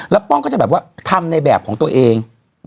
แล้วป้องก็จะทำในแบบของตัวเอง